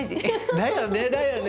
だよねだよね。